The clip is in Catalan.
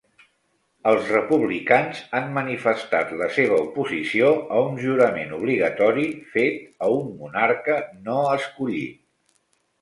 Els republicans han manifestat la seva oposició a un jurament obligatori fet a un monarca no escollit.